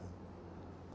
terus itu kita kasih waktu